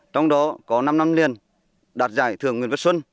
trong đó có năm năm liền đạt giải thưởng nguyễn văn xuân